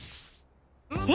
え！